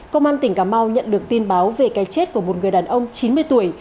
công an tỉnh cà mau nhận được tin báo về cái chết của một người đàn ông chín mươi tuổi